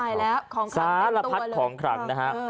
โอ้ยตายแล้วสารพัดของครังนะครับ